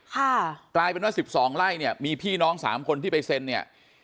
ค่ะกลายเป็นว่า๑๒ไร่เนี่ยมีพี่น้อง๓คนที่ไปเส้นเนี่ย